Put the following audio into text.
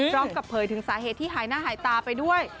พร้อมกับเผยถึงสาเหตุที่หายหน้าหายตาไปด้วย